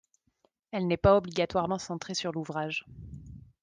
Elle n’est pas obligatoirement centrée sur l’ouvrage.